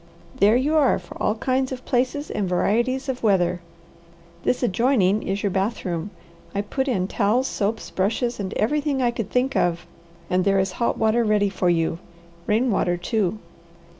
"There you are for all kinds of places and varieties of weather. This adjoining is your bathroom. I put in towels, soaps; brushes, and everything I could think of, and there is hot water ready for you rain water, too."